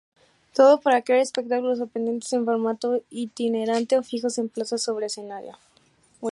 Todo para crear espectáculos sorprendentes en formato itinerante o fijos en plazas sobre escenario.